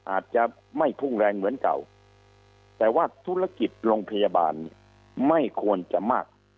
อาจจะไม่พุ่งแรงเหมือนเก่าแต่ว่าธุรกิจโรงพยาบาลเนี่ยไม่ควรจะมาก